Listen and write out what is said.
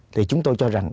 thì chúng tôi cho rằng